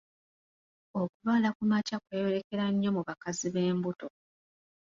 Okulwala kumakya kweyolekera nnyo mu bakazi b'embuto.